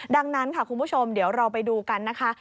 ดังนั้นค่ะคุณผู้ชมเดี๋ยวเราไปดูกันนะคะ